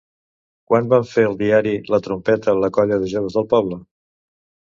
Quan van fer el diari La Trompeta la colla de joves del poble?